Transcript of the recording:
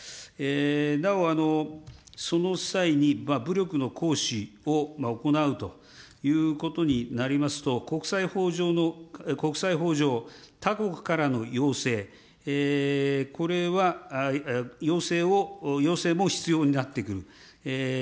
なお、その際に武力の行使を行うということになりますと、国際法上の、国際法上、他国からの要請、これは、要請も必要になってくる。